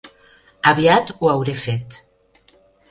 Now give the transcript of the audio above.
Aviat ho hauré fet.